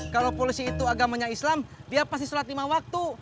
kalau polisi itu agamanya islam dia pasti sholat lima waktu